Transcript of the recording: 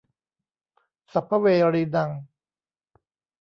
สัพพะเวรีนัง